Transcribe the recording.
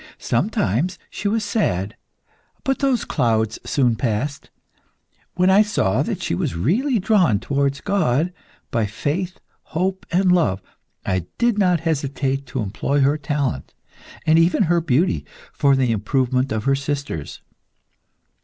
Sometimes she was sad; but those clouds soon passed. When I saw that she was really drawn towards God by faith, hope, and love, I did not hesitate to employ her talent, and even her beauty, for the improvement of her sisters.